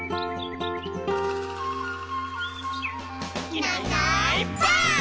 「いないいないばあっ！」